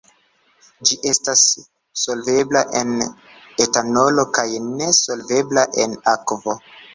Ĝi estas solvebla en etanolo kaj ne solvebla en akvo.